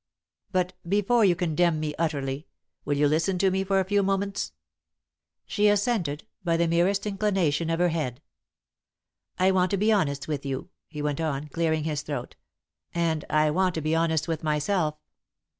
But, before you condemn me utterly, will you listen to me for a few moments?" She assented, by the merest inclination of her head. "I want to be honest with you," he went on, clearing his throat, "and I want to be honest with myself.